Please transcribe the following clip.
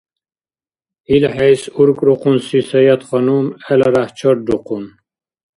ИлхӀейс уркӀрухъунси Саятханум гӀеларяхӀ чаррухъун.